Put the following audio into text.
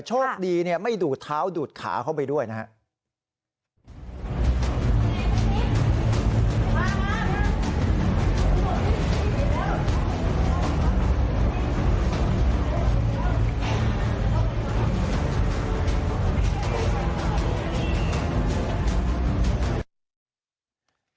โชคดีเนี่ยไม่ดูดเท้าดูดขาเข้าไปด้วยนะครับ